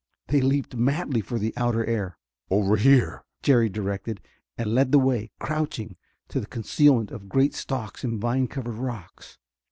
They leaped madly for the outer air. "Over here," Jerry directed, and led the way, crouching, to the concealment of great stalks and vine covered rocks.